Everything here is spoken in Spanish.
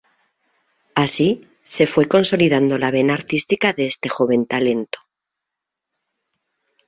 Así se fue consolidando la vena artística de este joven talento.